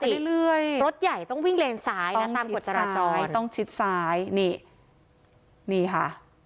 เรื่อยรถใหญ่ต้องวิ่งเลนซ้ายนะตามกฎจราจรต้องชิดซ้ายนี่นี่ค่ะ